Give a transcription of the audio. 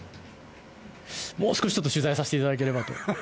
もう少しちょっと取材させていただければと。